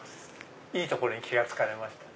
いい所に気が付かれました。